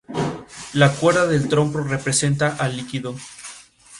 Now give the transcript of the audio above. La cuerda del trompo representa al líquido.